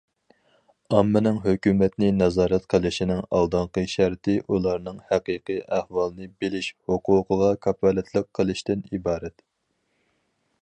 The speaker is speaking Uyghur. ئاممىنىڭ ھۆكۈمەتنى نازارەت قىلىشىنىڭ ئالدىنقى شەرتى ئۇلارنىڭ ھەقىقىي ئەھۋالنى بىلىش ھوقۇقىغا كاپالەتلىك قىلىشتىن ئىبارەت.